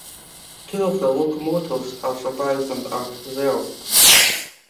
Two of the locomotives have survived and are preserved.